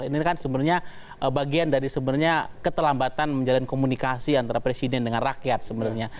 ini kan sebenarnya bagian dari sebenarnya keterlambatan menjalin komunikasi antara presiden dengan rakyat sebenarnya